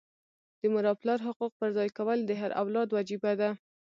د مور او پلار حقوق پرځای کول د هر اولاد وجیبه ده.